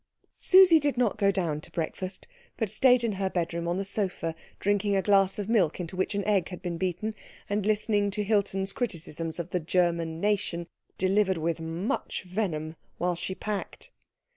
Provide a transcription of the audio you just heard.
Susie did not go down to breakfast, but stayed in her bedroom on the sofa drinking a glass of milk into which an egg had been beaten, and listening to Hilton's criticisms of the German nation, delivered with much venom while she packed.